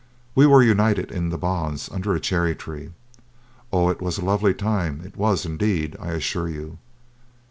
We were united in the bonds under a cherry tree. Oh! it was a lovely time, it was indeed, I assure you."